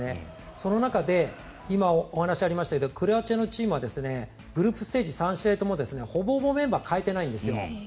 その中で今、お話にありましたけどクロアチアのチームはグループステージ３試合ともほぼほぼメンバーを代えてないんですよ。